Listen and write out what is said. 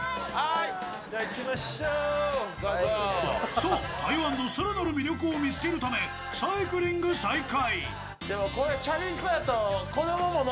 さあ、台湾の更なる魅力を見つけるため、サイクリング再開。